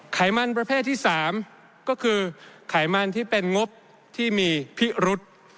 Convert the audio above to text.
ไขมันประเภทที่๓ก็คือไขมันที่เป็นงบที่มีพิรุษ